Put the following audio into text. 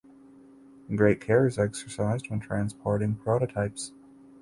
Great care is exercised when transporting prototypes.